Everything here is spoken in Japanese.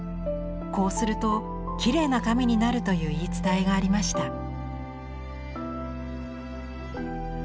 こうするときれいな髪になるという言い伝えがありました。